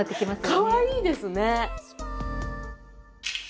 かわいいですね。